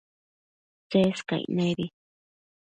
Tsescaic nebi